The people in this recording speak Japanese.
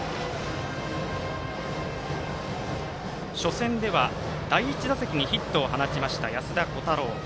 初戦では第１打席にヒットを放ちました、安田虎汰郎。